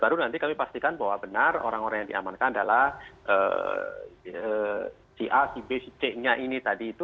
baru nanti kami pastikan bahwa benar orang orang yang diamankan adalah si a si b si c nya ini tadi itu